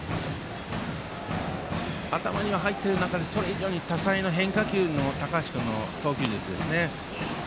頭には入っている中でそれ以上に多彩な変化球の高橋君の投球術ですね。